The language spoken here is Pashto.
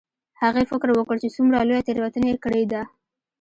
هغې فکر وکړ چې څومره لویه تیروتنه یې کړې ده